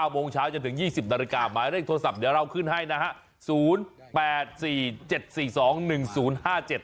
๙โมงเช้าจะถึง๒๐นาฬิกามาได้โทรศัพท์เดี๋ยวเราขึ้นให้นะฮะ